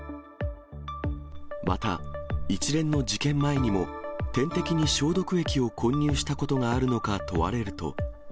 また、一連の事件前にも点滴に消毒液を混入したことがあるのか問われると。